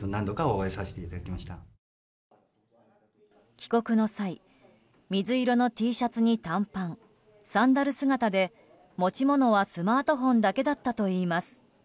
帰国の際、水色のＴシャツに短パン、サンダル姿で持ち物はスマートフォンだけだったといいます。